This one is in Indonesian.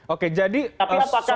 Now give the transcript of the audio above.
oke jadi soal angka angkanya nggak tahu